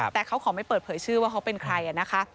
แต่เขาขอไม่เปิดเผยชื่อว่าเขาเป็นใครนะคะ